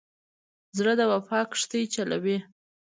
زړه د وفا کښتۍ چلوي.